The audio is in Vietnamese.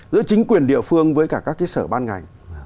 giữa chính quyền địa phương với cả các cái sở ban ngành